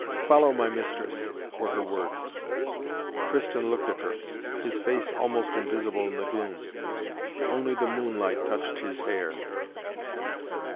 "Follow my mistress," were her words. Tristan looked at her, his face almost invisible in the gloom. Only the moonlight touched his hair.